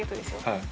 はい。